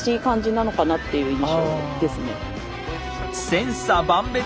千差万別！